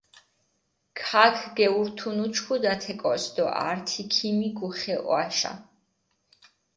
ქაქ გეურთუნ უჩქუდუ ათე კოს დო ართი ქიმიგუ ხე ჸვაშა.